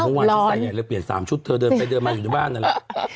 เมื่อวานฉันใส่ใหญ่เลยเปลี่ยน๓ชุดเธอเดินไปเดินมาอยู่ในบ้านนั่นแหละ